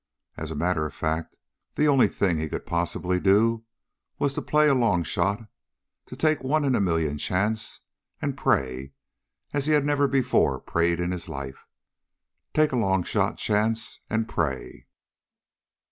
As a matter of fact, the only thing he could possibly do was to play a long shot; to take a one in a million chance, and pray as he had never before prayed in his life. Take a long shot chance, and pray.